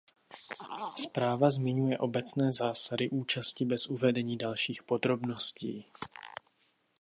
Zpráva zmiňuje obecné zásady účasti bez uvedení dalších podrobností.